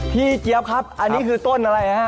เจี๊ยบครับอันนี้คือต้นอะไรฮะ